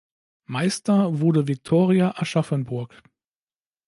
Meister wurde Viktoria Aschaffenburg.